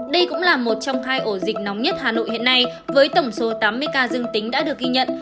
đây cũng là một trong hai ổ dịch nóng nhất hà nội hiện nay với tổng số tám mươi ca dương tính đã được ghi nhận